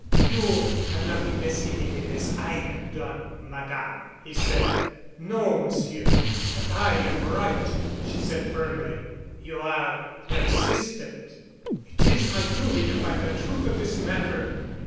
"You have not investigated as I have done, Madame," he said. "No, Monsieur. But I am right," she said firmly. "You are persistent." "It is my duty to find the truth of this matter."